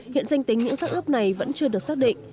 hiện danh tính những sắc ướp này vẫn chưa được xác định